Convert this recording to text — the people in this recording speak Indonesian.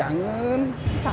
sama ate juga terima